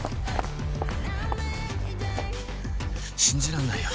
信じらんないよ。